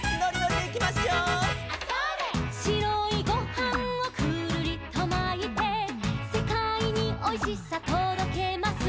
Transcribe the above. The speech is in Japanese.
「しろいごはんをくるりとまいて」「せかいにおいしさとどけます」